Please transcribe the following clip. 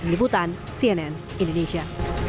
dibutan cnn indonesia